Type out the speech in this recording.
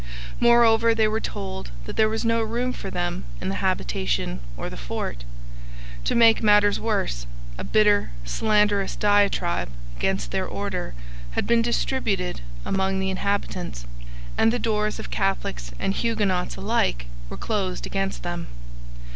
Moreover, they were told that there was no room for them in the habitation or the fort. To make matters worse, a bitter, slanderous diatribe against their order had been distributed among the inhabitants, and the doors of Catholics and Huguenots alike were closed against them.